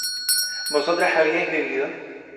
¿vosotras habíais bebido?